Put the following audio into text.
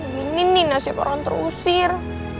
gini nih nasib orang terusir